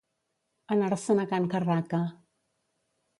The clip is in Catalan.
Anar-se'n a can Carraca.